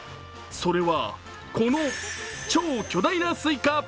それはこの超巨大なスイカ。